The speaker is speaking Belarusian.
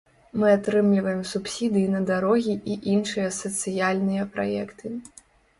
Мы атрымліваем субсідыі на дарогі і іншыя сацыяльныя праекты.